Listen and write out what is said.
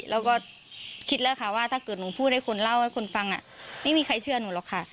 แล้วก็คิดแล้วค่ะว่าถ้าเกิดหนูพูดให้คนเล่าให้คนฟังไม่มีใครเชื่อหนูหรอกค่ะ